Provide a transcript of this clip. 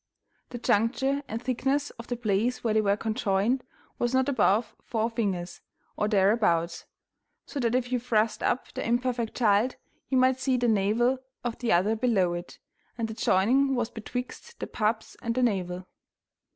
The juncture and thickness of the place where they were conjoined was not above four fingers, or thereabouts, so that if you thrust up the imperfect child you might see the navel of the other below it, and the joining was betwixt the paps and the navel.